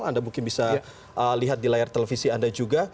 anda mungkin bisa lihat di layar televisi anda juga